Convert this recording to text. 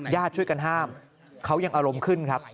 ญาติช่วยกันห้ามเขายังอารมณ์ขึ้นครับ